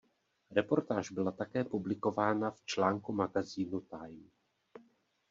Reportáž byla také publikována v článku magazínu Time.